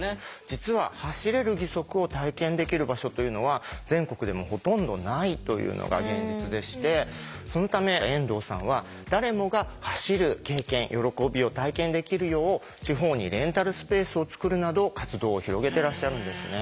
実は走れる義足を体験できる場所というのは全国でもほとんどないというのが現実でしてそのため遠藤さんは誰もが走る経験喜びを体験できるよう地方にレンタルスペースをつくるなど活動を広げてらっしゃるんですね。